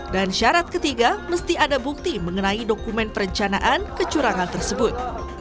dan syarat ketiga mesti ada bukti mengenai dokumen perencanaan kecurangan tersebut